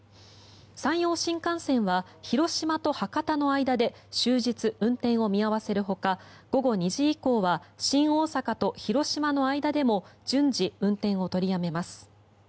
山陽新幹線は広島と博多の間で終日運転を見合わせるほか午後２時以降は新大阪と広島の間でも順次、運転を取りやめます。